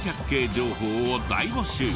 情報を大募集。